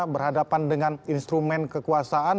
berhadapan dengan instrumen kekuasaan